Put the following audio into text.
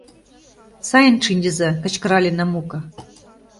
— Сайын шинчыза! — кычкырале Намука